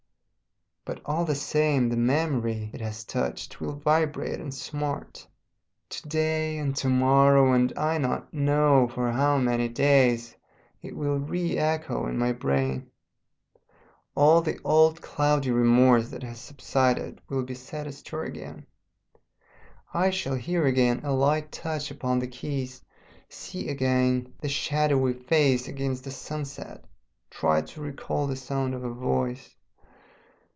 But, all the same, the memory it has touched will vibrate and smart; to day and to morrow, and I know not for how many days, it will re echo in my brain. All the old cloudy remorse that has subsided will be set astir again. I shall hear again a light touch upon the keys, see again the shadowy face against the sunset, try to recall the sound of a voice....